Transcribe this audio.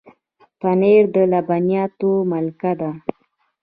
پنېر د لبنیاتو ملکه ده.